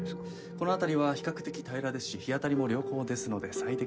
この辺りは比較的平らですし日当たりも良好ですので最適なんです。